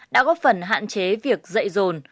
đã góp phần hạn chế việc dạy rồn